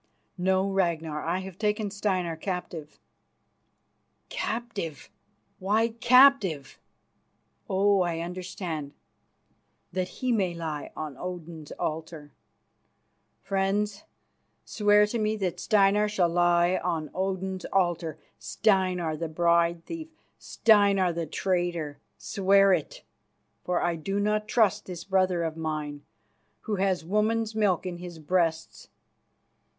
"No, Ragnar, I have taken Steinar captive." "Captive! Why captive? Oh, I understand; that he may lie on Odin's altar. Friends, swear to me that Steinar shall lie on Odin's altar, Steinar, the bride thief, Steinar the traitor. Swear it, for I do not trust this brother of mine, who has woman's milk in his breasts.